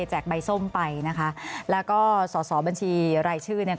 ใบส้มไปนะคะแล้วก็สอสอบัญชีรายชื่อเนี่ย